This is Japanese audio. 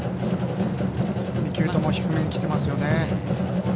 ２球とも低めに来てますね。